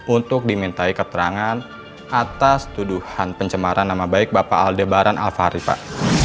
untuk dimintai keterangan atas tuduhan pencemaran nama baik bapak aldebaran alvari pak